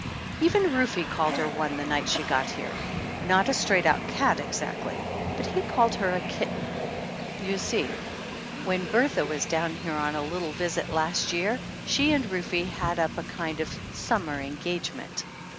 Even Rufe called her one the night she got here. Not a straight out cat, exactly, but he called her a kitten ! You see, when Bertha was down here on a little visit last year she and Rufe had up a kind of summer engagement.